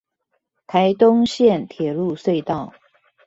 臺東線鐵路隧道